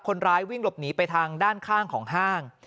คนร้ายวิ่งหลบหนีไปทางด้านข้างของห้าง